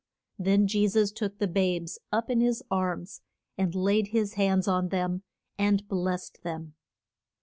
Then Je sus took the babes up in his arms, and laid his hands on them, and blest them.